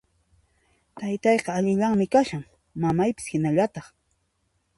Taytaqa allillanmi kashan, mamayqa hinallataq